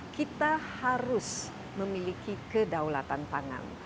kita harus memiliki kedaulatan pangan